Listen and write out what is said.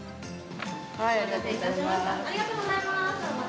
お待たせいたしました。